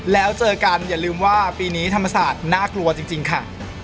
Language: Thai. แล้วเจอกันอย่าลืมว่าปีนี้ธรรมศาสตร์น่ากลัวจริงค่ะ